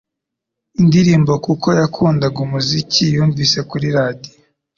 indirimbo kuko yakundaga umuziki yumvise kuri radio